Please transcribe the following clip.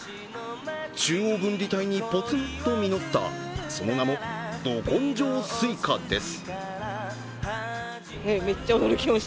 中央分離帯にぽつんと実ったその名も、ど根性スイカです。